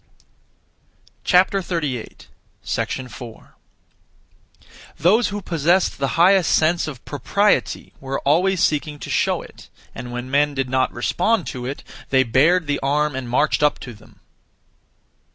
4. (Those who) possessed the highest (sense of) propriety were (always seeking) to show it, and when men did not respond to it, they bared the arm and marched up to them.